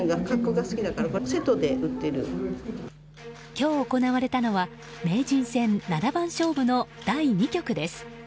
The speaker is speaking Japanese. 今日行われたのは名人戦七番勝負の第２局です。